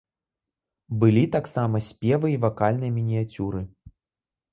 Былі таксама спевы і вакальныя мініяцюры.